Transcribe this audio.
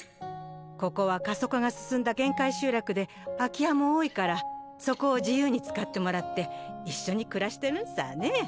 ここは過疎化が進んだ限界集落で空き家も多いからそこを自由に使ってもらって一緒に暮らしてるんさぁね。